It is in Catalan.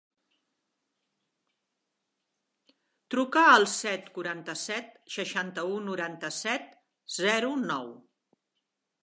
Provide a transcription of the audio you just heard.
Truca al set, quaranta-set, seixanta-u, noranta-set, zero, nou.